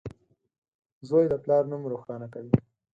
• زوی د پلار نوم روښانه کوي.